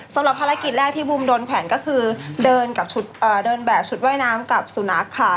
สำหรับภารกิจแรกที่บูมโดนแขวนก็คือเดินกับชุดเดินแบบชุดว่ายน้ำกับสุนัขค่ะ